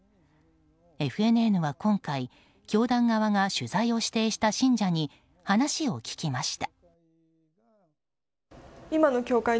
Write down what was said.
ＦＮＮは今回教団側が取材を指定した信者に話を聞きました。